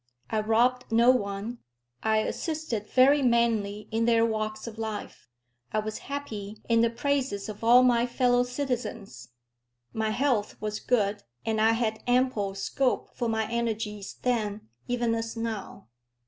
I robbed no one. I assisted very many in their walks of life. I was happy in the praises of all my fellow citizens. My health was good, and I had ample scope for my energies then, even as now.